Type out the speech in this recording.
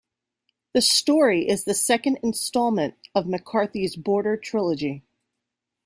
The story is the second installment of McCarthy's "Border Trilogy".